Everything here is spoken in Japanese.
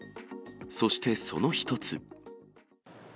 そしてその一つ。